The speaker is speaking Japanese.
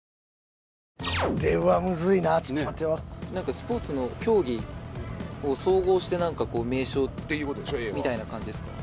スポーツの競技を総合して名称みたいな感じですか？